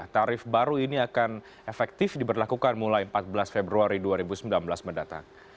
tarif baru ini akan efektif diberlakukan mulai empat belas februari dua ribu sembilan belas mendatang